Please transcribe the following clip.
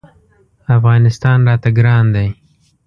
افغانستان راته ګران دی.